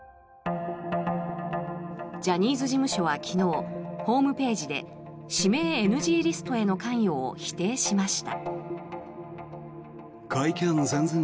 ジャニーズ事務所は昨日ホームページで指名ＮＧリストへの関与を否定しました。